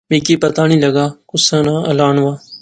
میں کی پتہ نی لغا کُس ناں اعلان وہا